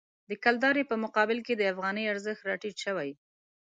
د کلدارې په مقابل کې د افغانۍ ارزښت راټیټ شوی.